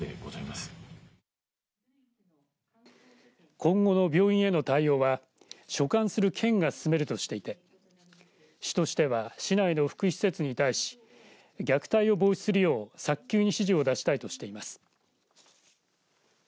今後の病院への対応は所管する県が進めるとしていて市としては市内の福祉施設に対し虐待を防止するよう早急に指示を出したいとしています。